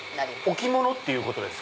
置物っていうことですか？